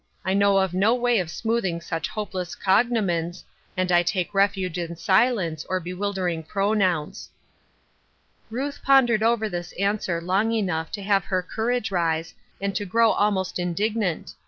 I know of no way of smoothing such hopeless cognomens, and I take refuge in silence, or bewildering pronouns." Ruth pondered over this answer long enough to have her courage rise and to grow almost indignant.